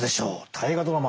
「大河ドラマ」